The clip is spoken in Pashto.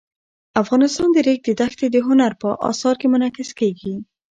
افغانستان کې د ریګ دښتې د هنر په اثار کې منعکس کېږي.